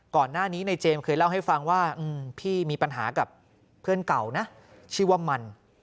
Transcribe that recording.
ก่อนหน้านี้ในเจมส์เคยเล่าให้ฟังว่าพี่มีปัญหากับเพื่อนเก่านะชื่อว่ามัน